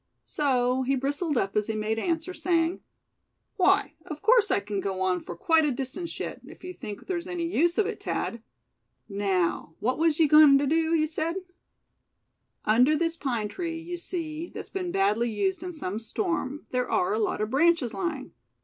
So he bristled up as he made answer, saying: "Why, of course I c'n go on for quite a distance yet, if you think there's any use of it, Thad. Now, what was you agoin' to do, you said?" "Under this pine tree, you see, that's been badly used in some storm, there are a lot of branches lying.